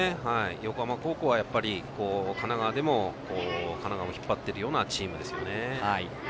横浜高校は神奈川でも神奈川を引っ張っているようなチームですよね。